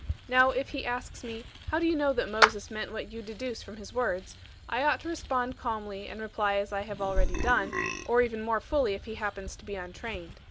Now if he asks me, "How do you know that Moses meant what you deduce from his words?", I ought to respond calmly and reply as I have already done, or even more fully if he happens to be untrained.